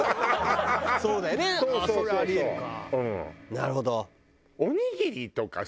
なるほど。